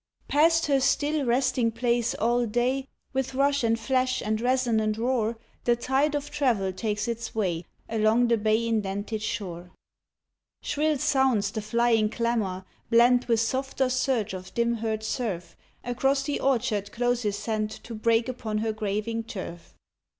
Past her still resting place all day, With rush and flash and resonant roar, The tide of travel takes its way Along the bay indented shore. Shrill sounds the flying clamor, blent With softer surge of dim heard surf. Across the orchard closes sent To break upon her graving turf.